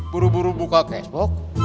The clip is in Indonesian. buru buru buka kesbok